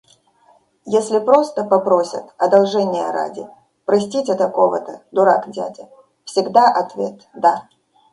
Если просто попросят одолжения ради — простите такого-то — дурак-дядя, — всегда ответ: да!